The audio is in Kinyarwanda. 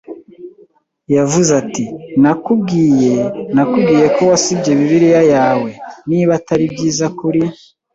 Yavuze ati: “Nakubwiye, nakubwiye ko wasibye Bibiliya yawe. Niba atari byiza kuri